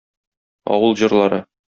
Авыл җырлары